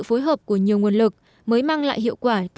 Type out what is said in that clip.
phối hợp của nhiều nguồn lực mới mang lại hiệu quả